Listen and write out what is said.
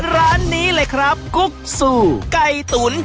ร้านนี้เลยครับกุ๊กซูไก่ตุ๋น